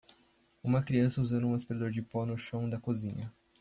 Uma criança usando um aspirador de pó no chão da cozinha.